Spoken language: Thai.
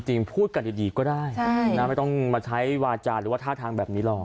จริงพูดกันดีก็ได้ใช่น่ะไม่ต้องมาใช้วาจารย์หรือว่าท่าทางแบบนี้ลอง